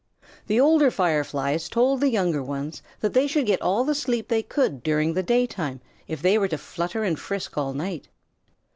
The older Fireflies told the younger ones that they should get all the sleep they could during the daytime if they were to flutter and frisk all night.